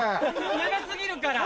長過ぎるから。